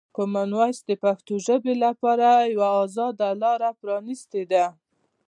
کامن وایس د پښتو ژبې لپاره یوه ازاده لاره پرانیستې ده.